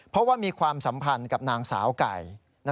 เพราะว่ามีความสัมพันธ์กับนางสาวไก่